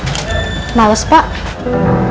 itu edwan datang tuh jemput kamu